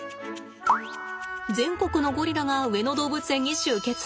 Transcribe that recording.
全国のゴリラが上野動物園に集結。